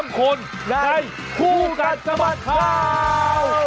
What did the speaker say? ๓คนในคู่กัดสะบัดข่าว